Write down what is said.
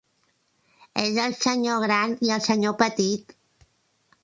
És el sr. Gran i el sr. Petit.